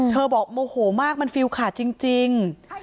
บอกโมโหมากมันฟิลขาดจริง